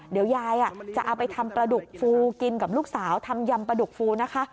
เดี๋ยวยายจะเอาไปทำปลาดุกฟูกินกับลูกสาวทำยำปลาดุกฟูนะคะ